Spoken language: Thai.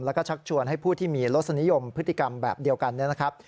แล้วก็ชักชวนให้ผู้ที่มีรสนิยมพฤติกรรมแบบเดียวกันนะครับ